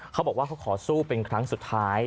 เขาบอกว่าเขาขอสู้เป็นครั้งสุดท้าย